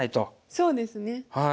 そうですね。